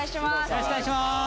よろしくお願いします。